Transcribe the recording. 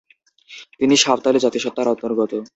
তিনি সাঁওতালি জাতিসত্তার অন্তর্গত।